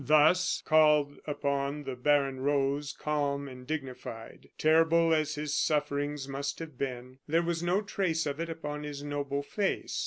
Thus called upon, the baron rose, calm and dignified. Terrible as his sufferings must have been, there was no trace of it upon his noble face.